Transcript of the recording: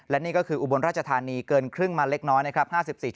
และนี่ก็คืออุบลราชธานีเกินครึ่งมาเล็กน้อยนะครับ